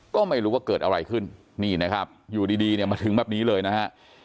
ก็ไม่รู้ว่าเกิดอะไรขึ้นนี่นะครับอยู่ดีเนี่ยมาถึงแบบนี้เลยนะฮะ